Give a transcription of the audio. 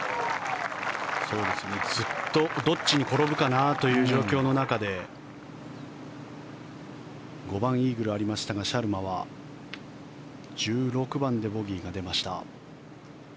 ずっと、どっちに転ぶかなという状況の中で５番、イーグルありましたがシャルマは１６番でボギーが出ました。